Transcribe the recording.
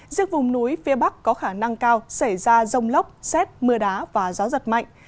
riêng vùng núi phía bắc có khả năng cao xảy ra rông lốc xét mưa đá và gió giật mạnh